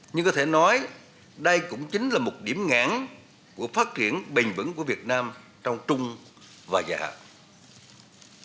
nhưng có thể nói đây cũng chính là một điểm ngãn của phát triển bình vững của việt nam trong trung và dài hạn